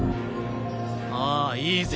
ああいいぜ。